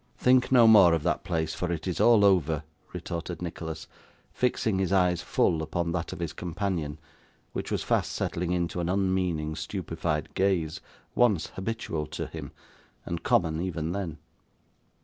'Think no more of that place, for it is all over,' retorted Nicholas, fixing his eyes full upon that of his companion, which was fast settling into an unmeaning stupefied gaze, once habitual to him, and common even then.